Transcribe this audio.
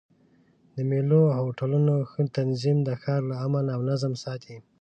د مېلو او هوټلونو ښه تنظیم د ښار امن او نظم ساتي.